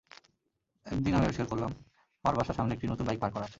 একদিন আমি আবিষ্কার করলাম, আমার বাসার সামনে একটি নতুন বাইক পার্ক করা আছে।